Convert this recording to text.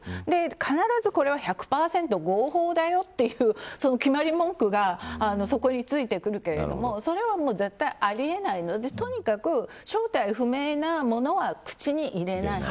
必ずこれは１００％合法だよという決まり文句がそこに付いてくるけれどもそれは、絶対にあり得ないのでとにかく正体不明なものは口に入れない。